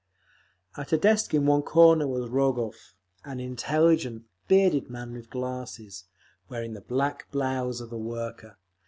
At a desk in one corner was Rogov, an intelligent, bearded man with glasses, wearing the black blouse of a worker.